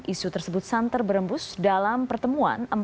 isu tersebut santer berembus dalam pertemuan